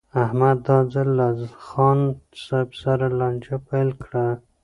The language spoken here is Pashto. احمد دا ځل له خان صاحب سره لانجه پیل کړه.